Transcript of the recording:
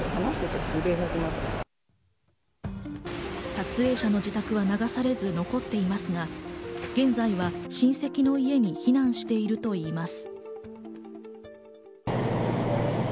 撮影者の自宅は流されず残っていますが、現在は親戚の家に避難しているといいます。